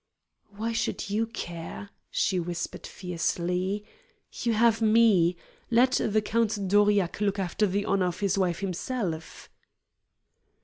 "Why should you care?" she whispered fiercely. "You have me! Let the Count d'Aurillac look after the honor of his wife himself."